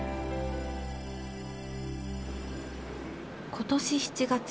今年７月。